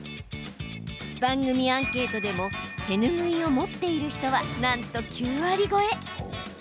番組アンケートでも手ぬぐいを持っている人はなんと９割超え。